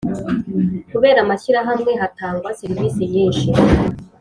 Kubera amashyirahamwe hatangwa serevisi nyinshi